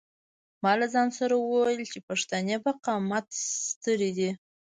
ما له ځان سره وویل چې پښتنې په قامت سترې دي.